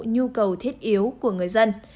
nhu cầu thiết yếu của người dân